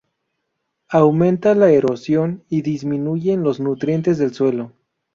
Aumenta la erosión y disminuyen los nutrientes del suelo.